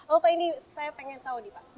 oh pak ini saya pengen tahu nih pak